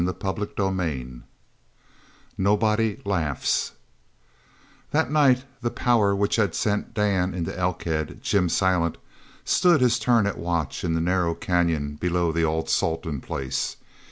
CHAPTER XXVII NOBODY LAUGHS That night the power which had sent Dan into Elkhead, Jim Silent, stood his turn at watch in the narrow canyon below the old Salton place.